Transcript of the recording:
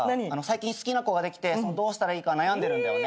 最近好きな子ができてどうしたらいいか悩んでるんだよ。